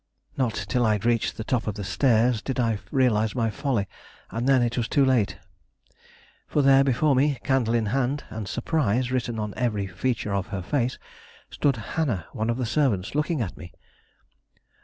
Not till I reached the top of the stairs did I realize my folly; and then it was too late, for there before me, candle in hand, and surprise written on every feature of her face, stood Hannah, one of the servants, looking at me.